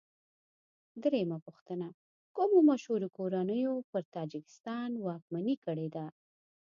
درېمه پوښتنه: کومو مشهورو کورنیو پر تاجکستان واکمني کړې ده؟